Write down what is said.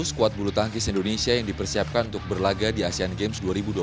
dua skuad bulu tangkis indonesia yang dipersiapkan untuk berlaga di asean games dua ribu dua puluh tiga